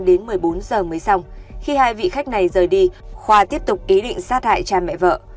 đến một mươi bốn giờ mới xong khi hai vị khách này rời đi khoa tiếp tục ý định sát hại cha mẹ vợ